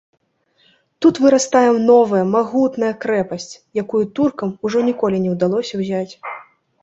Тут вырастае новая магутная крэпасць, якую туркам ужо ніколі не ўдалося ўзяць.